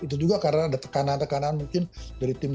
itu juga karena ada tekanan tekanan mungkin dari tim